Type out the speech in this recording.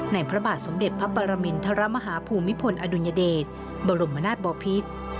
พระบาทสมเด็จพระปรมินทรมาฮาภูมิพลอดุลยเดชบรมนาศบอพิษ